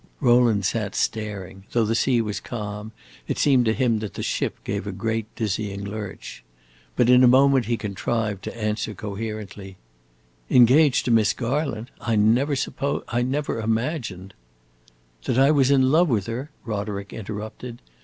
Rowland sat staring; though the sea was calm, it seemed to him that the ship gave a great dizzying lurch. But in a moment he contrived to answer coherently: "Engaged to Miss Garland! I never supposed I never imagined" "That I was in love with her?" Roderick interrupted.